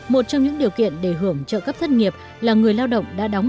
một trong những điều kiện để hưởng trợ cấp thất nghiệp là người lao động đã đóng